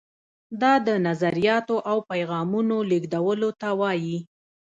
دا د نظریاتو او پیغامونو لیږدولو ته وایي.